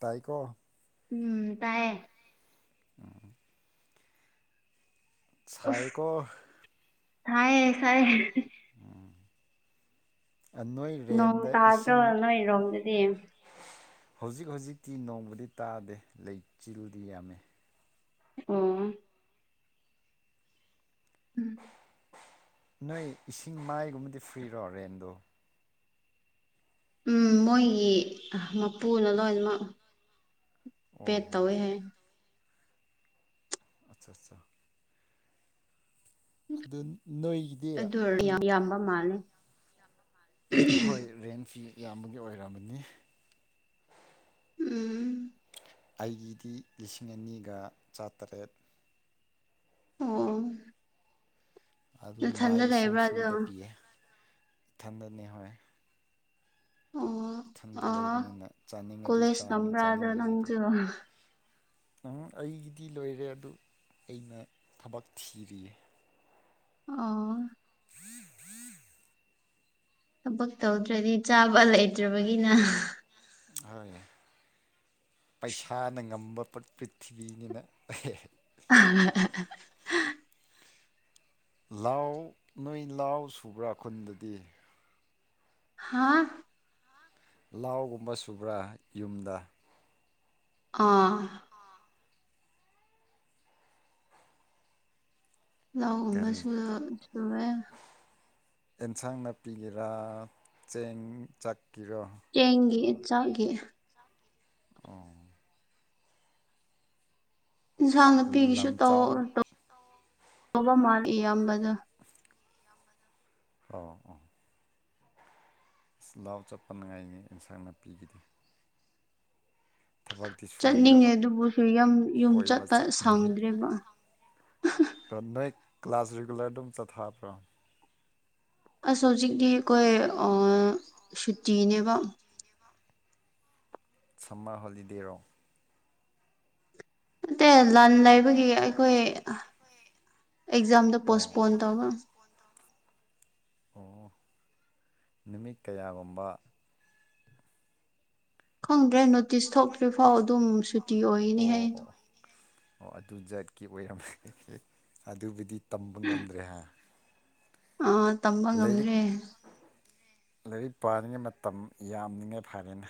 ꯇꯥꯏꯀꯣ ꯎꯝ ꯇꯥꯏꯌꯦ ꯁꯥꯏꯀꯣ ꯊ ꯁꯔꯦ ꯑ ꯅꯣꯏ ꯅꯣꯡ ꯔꯦꯟꯗ ꯇꯥꯗ꯭ꯔꯣ ꯏꯁꯤꯡ ꯅꯣꯏꯔꯣꯝꯗꯗꯤ ꯍꯧꯖꯤꯛ ꯍꯧꯖꯤꯛꯇꯤ ꯅꯣꯡꯃꯗꯤ ꯇꯥꯗꯦ ꯂꯩꯆꯤꯜꯗꯤ ꯌꯥꯝꯃꯤ ꯑꯣ ꯎꯝ ꯅꯣꯏ ꯏꯁꯤꯡ ꯃꯥꯏꯒꯨꯝꯕꯗꯤ ꯐ꯭ꯔꯤꯔꯣ ꯔꯦꯟꯗꯣ ꯎꯝ ꯃꯣꯏꯒꯤ ꯃꯄꯨꯅ ꯂꯣꯏꯅꯃꯛ ꯑꯣ ꯄꯦꯠ ꯇꯧꯋꯦ ꯍꯥꯏ ꯑꯆꯥ ꯑꯠꯆꯥ ꯑꯗꯨ ꯅꯣꯏꯒꯤꯗꯤ ꯑꯗꯨ ꯑꯣꯏꯔ ꯎꯝ ꯌꯥꯝ ꯌꯥꯝꯕ ꯃꯥꯜꯂꯦ ꯍꯣꯏ ꯔꯦꯟꯁꯤ ꯌꯥꯝꯕꯒꯤ ꯑꯣꯏꯔꯔꯕꯅꯤ ꯎꯝ ꯑꯩꯒꯤꯗꯤ ꯂꯤꯁꯤꯡ ꯑꯅꯤꯒ ꯆꯥꯇꯔꯦꯠ ꯑ ꯑꯗꯨ ꯃꯥꯏ ꯏꯁꯤꯡ ꯑꯗꯣ ꯐ꯭ꯔꯤꯗ ꯄꯤꯌꯦ ꯏꯊꯟꯗꯅꯤ ꯍꯣꯏ ꯑꯣ ꯏꯊꯟꯗ ꯑꯣ ꯂꯩꯕꯅꯤꯅ ꯆꯥꯅꯤꯡꯉꯗꯤ ꯀꯣꯂꯦꯖ ꯆꯥꯅꯤ ꯇꯝꯕ꯭ꯔꯥ ꯑꯗꯣ ꯆꯥꯅꯤꯡꯗꯔꯤꯗꯣ ꯅꯪꯁꯨ ꯎꯝ ꯑꯩꯒꯤꯗꯤ ꯂꯣꯏꯔꯦ ꯑꯗꯨ ꯑꯩꯅ ꯊꯕꯛ ꯊꯤꯔꯤꯌꯦ ꯑ ꯊꯕꯛ ꯇꯧꯗ꯭ꯔꯗꯤ ꯆꯥꯕ ꯂꯩꯇ꯭ꯔꯕꯒꯤꯅ ꯍꯣꯏ ꯄꯩꯁꯥꯅ ꯉꯝꯕ ꯄ꯭ꯔꯤꯊꯤꯕꯤꯅꯤꯅ ꯂꯥꯎ ꯅꯣꯏ ꯂꯥꯎ ꯁꯨꯕ꯭ꯔꯥ ꯈꯨꯟꯗꯗꯤ ꯍꯥꯥ ꯂꯥꯎꯒꯨꯝꯕ ꯁꯨꯕ꯭ꯔꯥ ꯌꯨꯝꯗ ꯑꯥ ꯂꯎꯒꯨꯝꯕ ꯀꯔꯤ ꯁꯨ ꯁꯨꯋꯦ ꯑꯦꯟꯁꯥꯡ ꯅꯥꯄꯤꯒꯦꯔꯥ ꯆꯦꯡ ꯆꯥꯛ ꯆꯦꯟꯦ ꯆꯒꯦ ꯏꯟꯁꯥꯡ ꯅꯨꯄꯤꯒꯤꯁꯨ ꯂꯝ ꯆꯥꯎ ꯇꯧꯕ ꯃꯥꯜꯂꯤ ꯑꯌꯥꯝꯕꯗ ꯑ ꯑꯥ ꯑꯁ ꯂꯥꯎ ꯆꯠꯄ ꯉꯥꯏꯅꯤ ꯑꯦꯟꯁꯥꯡ ꯅꯥꯄꯤꯒꯤꯗꯤ ꯊꯕꯛꯇꯤ ꯆꯠꯅꯤꯡꯉꯦ ꯁꯨꯅꯤꯡꯗꯕ ꯑꯗꯨꯕꯨꯁꯨ ꯌꯨꯝ ꯀꯣꯏꯕ ꯆꯠꯄ ꯆꯠꯅꯤꯡꯉꯤ ꯁꯪꯗ꯭ꯔꯦꯕ ꯅꯣꯏ ꯀ꯭ꯂꯥꯁ ꯔꯤꯒꯨꯂꯔ ꯑꯗꯨꯝ ꯆꯠꯊꯕ꯭ꯔꯣ ꯑꯁ ꯍꯧꯖꯤꯛꯇꯤ ꯑꯩꯈꯣꯏ ꯁꯨꯇꯤꯅꯦꯕ ꯁꯃ ꯍꯣꯂꯤꯗꯦꯔꯣ ꯂꯥꯟ ꯂꯥꯏꯐ ꯑꯗꯨꯒꯤ ꯑꯩꯈꯣꯏ ꯑꯦꯛꯖꯥꯝꯗ ꯑꯣ ꯄꯣꯁꯄꯣꯟ ꯇꯧꯧꯕ [unintelligible] ꯑꯣ ꯅꯨꯃꯤꯠ ꯀꯌꯥꯒꯨꯝꯕ ꯈꯪꯗ꯭ꯔꯦ ꯅꯣꯇꯤꯁ ꯊꯣꯛꯇ꯭ꯔꯤꯐꯥꯎ ꯑꯗꯨꯝ ꯁꯨꯇꯤ ꯑꯣꯏꯅꯤ ꯍꯥꯏ ꯑꯣ ꯑꯗꯨ ꯖꯠꯀꯤ ꯑꯣꯏꯔꯝꯃꯦ ꯑꯗꯨꯕꯨꯗꯤ ꯇꯝꯕ ꯉꯝꯗ꯭ꯔꯦ ꯍꯥꯏ ꯑꯥ ꯇꯝꯕ ꯉꯝꯗ꯭ꯔꯦ ꯂꯥꯏꯔꯤꯛ ꯄꯥꯔꯤꯉꯩ ꯃꯇꯝ ꯌꯥꯝꯂꯤꯉꯥꯏ ꯐꯔꯦꯅꯦ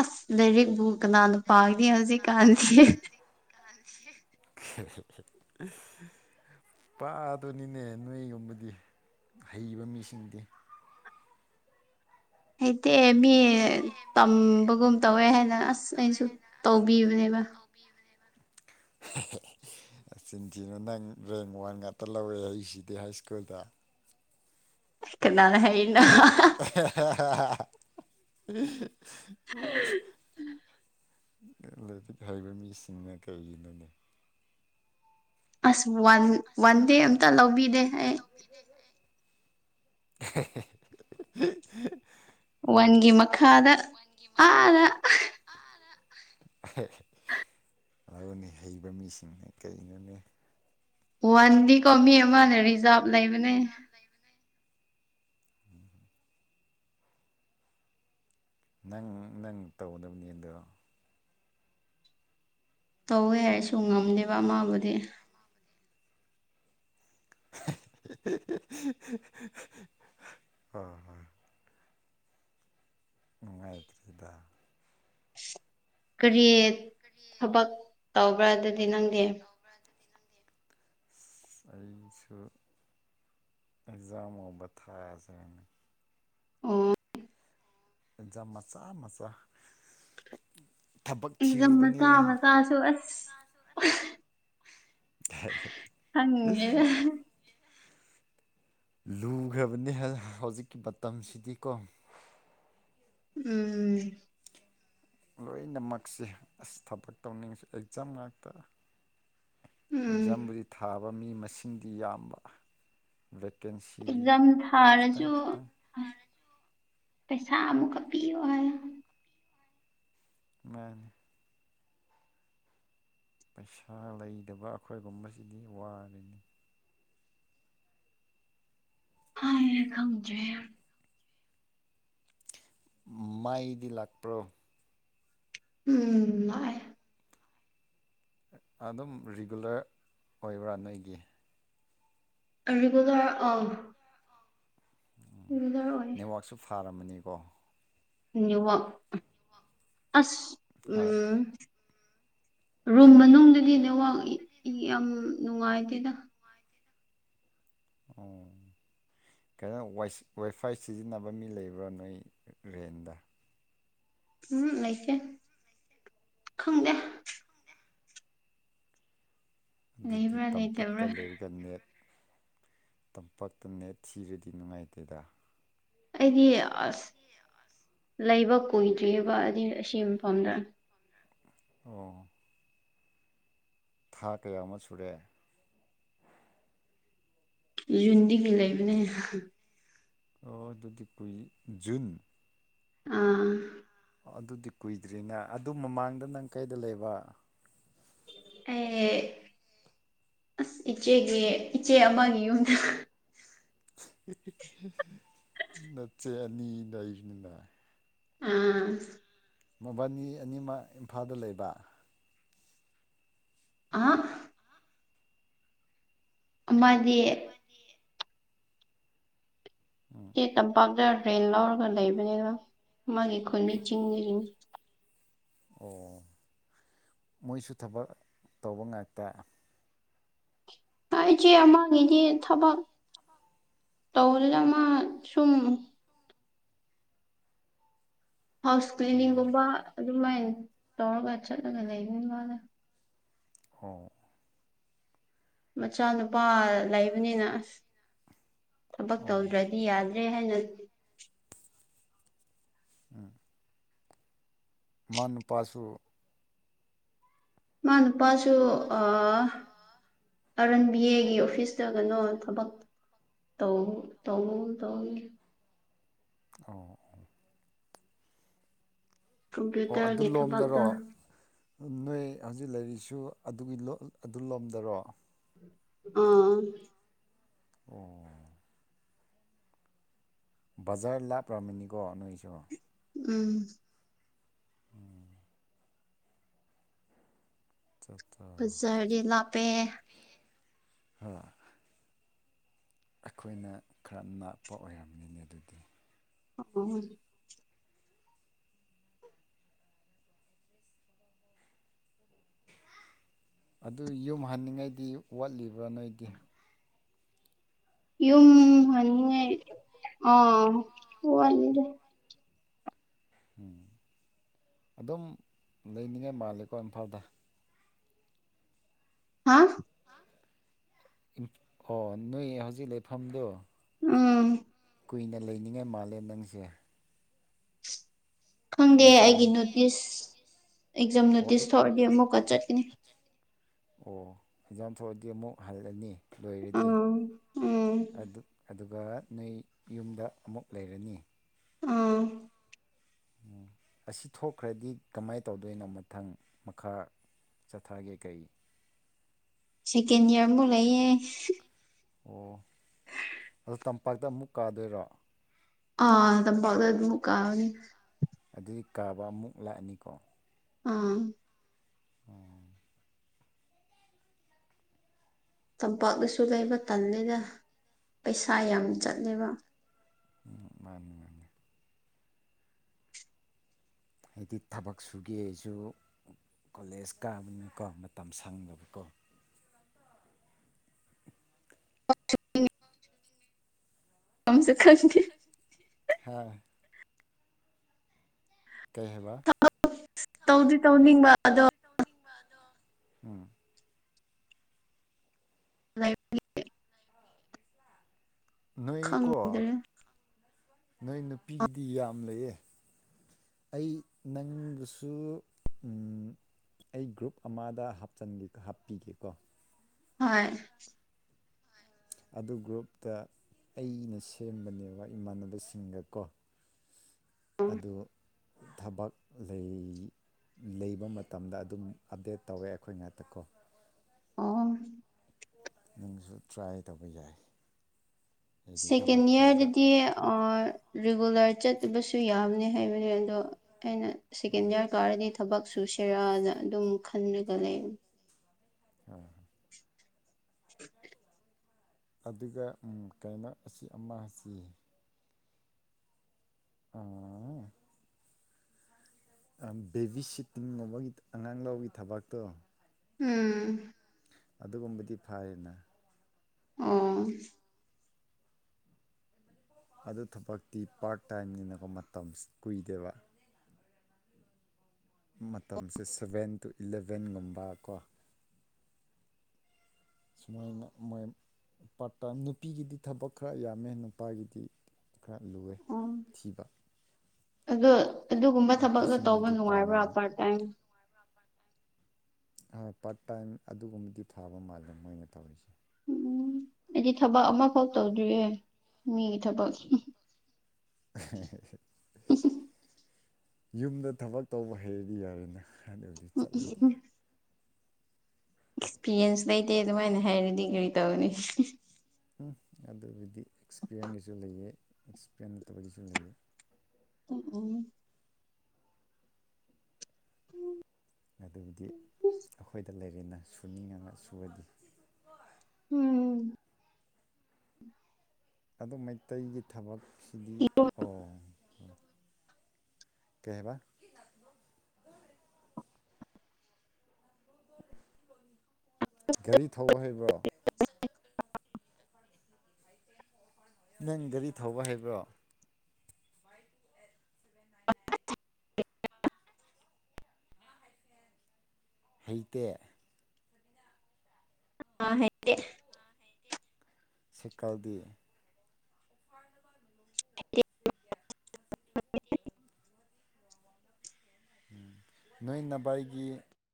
ꯑꯁ ꯂꯩꯔꯤꯛꯕꯨ ꯀꯅꯥꯅ ꯄꯥꯅꯤ ꯍꯧꯖꯤꯛꯀꯥꯟꯁꯤ [unintelligible] ꯄꯥꯗꯣꯏꯅꯤꯅꯦ ꯅꯣꯏꯒꯨꯝꯕꯗꯤ ꯍꯩꯕ ꯃꯤꯁꯤꯡꯗꯤ ꯍꯩꯇꯦ ꯃꯤ ꯇꯝꯕꯒꯨꯝ ꯇꯧꯋꯦ ꯍꯥꯏꯅ ꯑꯁ ꯑꯩꯅꯁꯨ ꯇꯧꯕꯤꯕꯅꯦꯕ ꯋꯥ [unintelligible] ꯆꯤꯟꯊꯤꯅ ꯅꯪ ꯔꯦꯡ ꯋꯥꯟ ꯉꯥꯛꯇ ꯂꯧꯋꯦ ꯑꯩꯁꯤꯗꯤ ꯍꯥꯏ ꯁ꯭ꯀꯨꯜꯗ ꯀꯅꯥꯅ ꯍꯥꯏ ꯎ ꯍꯩꯕ ꯃꯤꯁꯤꯡꯅ ꯀꯩꯒꯤꯅꯣꯅꯤ ꯑꯁ ꯋꯥꯟ ꯋꯥꯟ ꯗꯦ ꯑꯝꯇ ꯂꯧꯕꯤꯗꯦ ꯑꯩ [unintelligible] ꯋꯥꯟꯒꯤ ꯃꯈꯥꯗ ꯑꯥꯗ ꯑꯗꯨ ꯍꯩꯕ ꯃꯤꯁꯤꯡꯅ ꯀꯔꯤꯩꯅꯣꯅꯦ ꯋꯥꯟꯗꯤꯀꯣ ꯃꯤ ꯑꯃꯅꯦ ꯔꯤꯖꯥꯕ ꯂꯩꯕꯅꯦ ꯅꯪ ꯅꯪ ꯇꯧꯒꯗꯕꯅꯤ ꯑꯗꯣ ꯇꯧꯋꯦ ꯍꯥꯏꯔꯁꯨ ꯉꯝꯗꯦꯕ ꯃꯥꯕꯨꯗꯤ ꯑ ꯍ ꯅꯨꯡꯉꯥꯏꯈ꯭ꯔꯔꯤꯗ ꯀꯔꯤ ꯊꯕꯛ ꯇꯧꯕ꯭ꯔꯥ ꯑꯗꯨꯗꯤ ꯅꯪꯗꯤ ꯑꯩꯁꯨ ꯑꯦꯖꯝꯣꯕ ꯊ ꯑꯣ ꯑꯦꯖꯥ ꯃꯆꯥ ꯃꯆꯥ ꯊꯕꯛ ꯑꯦꯗꯝ ꯊꯤꯔꯨꯕꯅꯤ ꯃꯆꯥ ꯃꯆꯥꯁꯨ ꯑꯁ ꯑꯪ ꯂꯨꯈ꯭ꯔꯕꯅꯤ ꯍꯧꯖꯤꯛꯀꯤ ꯃꯇꯝꯁꯤꯗꯤꯀꯣ ꯎꯝ ꯂꯣꯏꯅꯃꯛꯁꯦ ꯑꯁ ꯊꯕꯛ ꯇꯧꯅꯤꯡꯁꯤ ꯑꯦꯛꯖꯥꯝ ꯉꯥꯛꯇ ꯎꯝ ꯖꯝꯕꯨꯔꯤ ꯊꯥꯕ ꯃꯤ ꯃꯁꯤꯡꯗꯤ ꯌꯥꯝꯕ ꯚꯦꯀꯦꯟꯁꯤꯗꯤ ꯑꯦꯛꯖꯝ ꯈꯤꯇꯪ ꯊꯥꯔꯁꯨ ꯈꯤꯇꯪ ꯄꯩꯁꯥ ꯑꯃꯨꯛ ꯑꯤ ꯋꯥ ꯃꯥꯅꯦ ꯄꯩꯁꯥ ꯂꯩꯇꯕ ꯑꯩꯈꯣꯏꯒꯨꯝꯕꯁꯤꯗꯤ ꯋꯥꯔꯤꯅꯤ ꯑ ꯊꯝꯖ ꯃꯥꯏꯗꯤ ꯂꯥꯛꯄ꯭ꯔꯣ ꯎꯝ ꯑꯗꯨꯝ ꯔꯤꯒꯨꯂꯔ ꯑꯣꯏꯕ꯭ꯔꯥ ꯅꯣꯏꯒꯤ ꯑꯔꯤꯕꯖꯔ ꯑ ꯟꯅꯔ ꯑꯣꯏ ꯁꯥꯔꯝꯃꯅꯤꯀꯣ ꯕ ꯑꯁ ꯍꯣꯏ ꯎꯝ ꯔꯨꯝ ꯃꯅꯨꯡꯗꯗꯤ ꯅꯋꯥꯛ ꯌꯥꯝ ꯅꯨꯡꯉꯥꯏꯇꯦꯗ ꯑꯣ ꯀꯩꯅꯣ ꯋꯥꯏꯐꯥꯏ ꯁꯤꯖꯤꯟꯅꯕ ꯃꯤ ꯂꯩꯕ꯭ꯔꯥ ꯅꯣꯏ ꯔꯦꯟꯗ ꯎꯝ ꯂꯩꯇꯦ ꯈꯪꯗꯦ ꯑꯗꯨꯗꯤ ꯂꯩꯕ꯭ꯔꯥ ꯇꯝꯄꯥꯛꯛꯇ ꯂꯩꯇꯕ꯭ꯔꯥ ꯂꯩꯔꯒ ꯅꯦꯠ ꯇꯝꯄꯥꯛꯇ ꯅꯦꯠ ꯊꯤꯔꯗꯤ ꯅꯨꯡꯉꯥꯏꯇꯦꯗ ꯑꯩꯗꯤ ꯑꯁ ꯂꯩꯕ ꯀꯨꯏꯗ꯭ꯔꯤꯑꯕ ꯑꯁꯤ ꯐꯝꯗ꯭ꯔꯥ ꯑꯣ ꯊꯥ ꯀꯌꯥ ꯑꯃ ꯁꯨꯔꯑꯦ ꯌꯟꯗꯤꯒ ꯂꯩꯕꯅꯦ ꯑꯣ ꯑꯗꯨꯗꯤ ꯀꯨꯏ ꯖꯨꯟ ꯑꯥ ꯑꯗꯨꯗꯤ ꯀꯨꯏꯗ꯭ꯔꯤꯅꯦ ꯑꯗꯨ ꯃꯃꯥꯡꯗ ꯅꯪ ꯀꯩꯗ ꯂꯩꯕ ꯑꯦ ꯑꯁ ꯏꯆꯦꯒ ꯏꯆꯦ ꯑꯃꯒꯤ ꯌꯨꯝꯗ ꯅꯆꯦ ꯑꯅꯤꯗꯥꯏꯅꯤꯅ ꯑꯥ ꯃꯕꯥꯅꯤ ꯑꯅꯤꯃꯛ ꯏꯝꯐꯥꯜꯗ ꯂꯩꯕ ꯑ ꯑꯃꯗꯤ ꯑꯦ ꯇꯝꯄꯥꯛꯇ ꯔꯦꯟ ꯂꯧꯔꯒ ꯂꯩꯕꯅꯤꯅ ꯃꯥꯒꯤꯈ ꯃꯤ ꯆꯤꯡꯖꯔꯤ ꯑꯣ ꯃꯣꯏꯁꯨ ꯊꯕꯛ ꯇꯧꯕ ꯉꯥꯛꯇ ꯑꯩ ꯏꯆꯦ ꯑꯃꯥꯡꯉꯆꯦ ꯊꯕꯛ ꯇ ꯍꯖ ꯁꯨꯝ ꯍꯥꯎꯁ ꯀ꯭ꯂꯤꯅꯤꯡꯒꯨꯝꯕ ꯑꯗꯨꯃꯥꯏꯅ ꯇꯧꯔꯒ ꯆꯠꯂꯒ ꯂꯩꯅꯤ ꯃꯥꯅ ꯍꯣ ꯃꯆꯥꯅꯨꯄꯥ ꯂꯩꯕꯅꯤꯅ ꯑꯁ ꯊꯕꯛ ꯑꯣ ꯇꯧꯗ꯭ꯔꯗꯤ ꯌꯥꯗꯦ ꯔꯦ ꯍꯥꯏꯅ ꯎꯝ ꯃꯟ ꯄꯁꯨ ꯃꯥ ꯑꯗꯨ ꯄꯁꯨ ꯑ ꯑꯥꯔꯟꯕꯤ ꯑꯦꯒꯤ ꯑꯣꯐꯤꯁꯇ ꯀꯅꯣ ꯊꯕꯛ ꯇꯧ ꯇ ꯇꯧ ꯑꯣ ꯑꯣꯣꯏ ꯑꯗꯨ ꯀꯝꯄ꯭ꯌꯨꯇꯔꯒꯤ ꯊꯕꯛꯇꯣ ꯂꯣꯝꯗꯔꯣ ꯅꯣꯏ ꯍꯧꯖꯤꯛ ꯂꯩꯔꯤꯁꯨ ꯑꯗꯨꯒꯤ ꯑꯗꯨ ꯂꯣꯝꯗꯔꯣ ꯑꯥ ꯑꯣ ꯕꯖꯔꯂꯥ ꯄ꯭ꯔꯃꯤꯅꯤ ꯀꯧꯕ ꯑꯟꯏꯁꯣ ꯎꯝ ꯑꯠꯆꯥ ꯑꯠꯆꯥ ꯐꯖꯔꯤ ꯂꯥꯄꯦ ꯍ ꯑꯩꯈꯣꯏꯅ ꯈꯔ ꯥꯛꯄ ꯑꯣꯏꯔꯝꯅꯤꯅꯤ ꯑꯗꯨꯗꯤ ꯑꯣ ꯑꯗꯨ ꯌꯨꯝ ꯍꯟꯅꯤꯡꯉꯥꯏꯗꯤ ꯋꯥꯠꯂꯤꯕ꯭ꯔꯥ ꯅꯣꯏꯗꯤ ꯌꯨꯝꯅꯤꯉꯦ ꯑ ꯍꯗꯦ ꯎꯝ ꯑꯗꯨꯝ ꯂꯩꯅꯤꯡꯉꯥꯏ ꯃꯥꯂꯦꯀꯣ ꯏꯝꯐꯥꯜꯗ ꯍꯥ ꯑꯣ ꯅꯣꯏ ꯍꯧꯖꯤꯛ ꯂꯩꯐꯝꯗꯨꯣ ꯎꯝ ꯀꯨꯏꯅ ꯂꯩꯅꯤꯡꯉꯥꯏ ꯃꯥꯜꯂꯦ ꯅꯪꯁꯦ ꯈꯪꯗꯦ ꯅꯠꯇ꯭ꯔꯒ ꯑꯩꯒꯤ ꯅꯣꯇꯤꯁ ꯑꯦꯛꯖꯥꯝ ꯑꯣ ꯅꯣꯇꯤꯁ ꯑꯩ ꯊꯣꯛꯑꯗꯤ ꯑꯃꯨꯛꯀ ꯆꯠꯀꯅꯤ ꯑꯣ ꯑꯦꯛꯖꯥꯝ ꯊꯣꯛꯑꯗꯤ ꯑꯃꯨꯛ ꯍꯜꯂꯅꯤ ꯂꯣꯏꯔꯗꯤ ꯎꯝ ꯎꯝ ꯑꯗꯨꯒ ꯅꯣꯏ ꯌꯨꯝꯗ ꯑꯃꯨꯛ ꯂꯩꯔꯅꯤ ꯑꯥ ꯎ ꯑꯁꯤ ꯊꯣꯛꯈ꯭ꯔꯗꯤ ꯀꯃꯥꯏꯅ ꯇꯧꯗꯣꯏꯅꯣ ꯃꯊꯪ ꯃꯈꯥ ꯆꯠꯊꯒꯦ ꯀꯩ ꯁꯦꯀꯦꯟ ꯏꯌꯥꯔꯕꯨ ꯂꯩꯌꯦꯦ ꯑꯣ ꯑꯗꯣ ꯇꯝꯄꯥꯛꯇ ꯑꯃꯨꯛ ꯀꯥꯗꯣꯏꯔꯣ ꯑꯗ ꯐꯥꯎ ꯑꯗꯨ ꯑꯗꯨ ꯃꯨꯀꯥꯅꯤ ꯑꯗꯨꯗꯤ ꯀꯥꯕ ꯑꯃꯨꯛ ꯂꯥꯛꯑꯅꯤꯀꯣ ꯑꯥ ꯑꯣ ꯇꯝꯄꯥꯛꯅꯁꯨ ꯂꯩꯕ ꯇꯟꯜꯂꯤꯗ ꯄꯩꯁꯥ ꯌꯥꯝ ꯆꯠꯂꯦꯕ ꯎꯝ ꯃꯥꯅꯤ ꯃꯥꯅꯤ ꯍꯥꯏꯗꯤ ꯊꯕꯛ ꯁꯨꯒꯦꯁꯨ ꯀꯣꯂꯦꯖ ꯀꯥꯕꯅꯀꯣ ꯃꯇꯝ ꯁꯪꯗꯕꯀꯣ ꯀꯝꯁꯦ ꯈ ꯍꯥ ꯀꯩ ꯍꯥꯏꯕ ꯊꯕ ꯇꯧꯗꯤ ꯇꯧꯅꯤꯡꯕ ꯑꯗꯣ ꯎꯝ ꯂ [inaudible] ꯅꯣꯏꯀꯣ ꯈꯪꯗ꯭ꯔꯦ ꯅꯣꯏ ꯅꯨꯄꯤꯒꯤꯗꯤ ꯌꯥꯝ ꯂꯩꯌꯦ ꯑꯩ ꯅꯪꯒꯁꯨ ꯑꯩ ꯒ꯭ꯔꯨꯞ ꯑꯃꯗ ꯍꯥꯞꯄꯤꯒꯦꯀꯣ ꯍꯣꯏ ꯑꯗꯨ ꯒ꯭ꯔꯨꯞꯇ ꯑꯩꯅ ꯁꯦꯝꯕꯅꯦꯕ ꯏꯃꯥꯟꯅꯕꯁꯤꯡꯒꯀꯣ ꯑꯗꯨ ꯊꯕꯛ ꯂꯩ ꯂꯩꯕ ꯃꯇꯝꯗ ꯑꯗꯨꯝ ꯑꯞꯗꯦꯠ ꯇꯧꯋꯦ ꯑꯩꯈꯣꯏ ꯉꯥꯛꯇꯀꯣ ꯑꯣ ꯅꯪꯁꯨ ꯇ꯭ꯔꯥꯏ ꯇꯧꯕ ꯌꯥꯏ ꯑꯩꯗꯤ ꯁꯦꯀꯦꯟ ꯊꯕꯛ ꯊꯣꯛꯑꯒ ꯌꯥꯔꯗꯗꯤ ꯔꯤꯒꯨꯂꯔ ꯆꯠꯇꯂꯕꯁꯨ ꯌꯥꯕꯅꯦ ꯍꯥꯏꯕ ꯑꯗꯣ ꯑꯩꯅ ꯁꯦꯀꯦꯟ ꯏꯌꯥꯔ ꯀꯥꯔꯗꯤ ꯊꯕꯛ ꯁꯨ ꯁꯦꯔꯥꯅ ꯑꯗꯨꯝ ꯈꯜꯂꯒ ꯂꯩ [unintelligible] ꯑꯗꯨꯒ ꯀꯩꯅꯣ ꯑꯁꯤ ꯑꯃ ꯑꯁꯤ ꯑꯥ ꯕꯦꯕꯤ ꯁꯤꯠꯇꯤꯡꯒꯨꯝꯕꯒꯤ ꯑꯉꯥꯡ ꯂꯧꯕꯒꯤ ꯊꯕꯥꯛꯇꯣ ꯎꯝ ꯑꯗꯨꯒꯨꯝꯕꯗꯤ ꯐꯩꯌꯦꯅ ꯑꯝ ꯑꯗꯨ ꯊꯕꯛꯇꯤ ꯄꯥꯔꯠ ꯇꯥꯏꯝꯅꯤꯅꯀꯣ ꯃꯇꯝ ꯀꯨꯏꯗꯦꯕ ꯃꯇꯝꯁꯦ ꯁꯚꯦꯟ ꯇꯨ ꯏꯂꯚꯦꯟꯒꯨꯝꯕ ꯀꯣ ꯁꯨꯃꯥꯏꯅ ꯃꯣꯏ ꯄꯥꯔꯠ ꯇꯥꯢꯝ ꯅꯨꯄꯤꯒꯤꯗꯤ ꯊꯕꯛ ꯈꯔ ꯌꯥꯝꯃꯦ ꯅꯨꯄꯥꯒꯤꯗꯤ ꯈꯔ ꯂꯨꯑꯦ ꯊꯤꯕ ꯑ ꯑꯗꯨꯒꯨꯝꯕ ꯊꯕꯛꯗꯣ ꯇꯧꯕ ꯅꯨꯄꯤꯁꯤꯡꯕꯨꯗꯤ ꯄꯥꯝꯃꯦ ꯅꯨꯡꯉꯥꯏꯕ꯭ꯔꯥ ꯃꯣꯏ ꯄꯥꯔꯠ ꯇꯥꯏꯝ ꯄꯥꯔꯠ ꯇꯥꯏꯝ ꯑꯗꯨꯒꯨꯝꯕꯗꯤ ꯊꯥꯕ ꯃꯥꯜꯂꯦ ꯃꯣꯏꯅ ꯇꯧꯔꯤꯁꯦ ꯎꯝ ꯑꯩꯗꯤ ꯊꯕꯛ ꯑꯃꯐꯥꯎ ꯇꯧꯗ꯭ꯔꯤꯌꯦ ꯃꯤꯒꯤ ꯊꯕꯛ ꯌꯨꯝꯗ ꯊꯕꯛ ꯇꯧꯕ ꯍꯩꯔꯗꯤ ꯌꯥꯔꯦꯅꯦ ꯍꯥꯟꯅ ꯍꯧꯗꯤ ꯆꯠꯂꯗꯤ ꯑꯦꯛꯁꯄꯤꯔꯤꯌꯦꯟꯁ ꯂꯩꯇꯦ ꯑꯗꯨꯃꯥꯏꯅ ꯍꯥꯏꯔꯗꯤ ꯀꯔꯤ ꯇꯧꯒꯅꯤ ꯎ ꯑꯗꯨꯕꯨꯗꯤ ꯑꯦꯛꯁꯄꯤꯔꯤꯟꯒꯤꯁꯨ ꯂꯩꯌꯦ ꯑꯦꯛꯁꯄꯤꯔꯤꯟ ꯅꯠꯇꯕꯒꯤꯁꯨ ꯂꯩꯑꯦ ꯇ ꯎ [inaudible] ꯑꯗꯨꯕꯨꯗꯤ ꯑꯩꯈꯣꯏꯗ ꯂꯩꯔꯦꯅ ꯁꯨꯅꯤꯡꯉꯒ ꯁꯨꯑꯗꯤ ꯎꯝ ꯑꯗꯨꯝ ꯃꯩꯇꯩꯒꯤ ꯊꯕꯛꯁꯤꯗꯤ ꯑꯣ ꯀꯩ ꯍꯥꯢꯕꯥ ꯒꯥꯔꯤ ꯊꯧꯕ ꯍꯩꯕ꯭ꯔꯣ [unintelligible] ꯅꯪ ꯒꯥꯔꯤ ꯊꯧꯕ ꯍꯩꯕ꯭ꯔꯣ [unintelligible] ꯍꯩꯇꯦ ꯑ ꯍꯩꯇꯦ ꯁꯩꯀꯥꯜꯗꯤ ꯑꯦ [inaudible] ꯅꯣꯏ ꯅꯕꯥꯏꯒꯤ